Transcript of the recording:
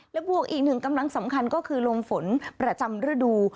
และบวกอีกหนึ่งกำลังสำคัญก็คือลมฝนประจำฤดู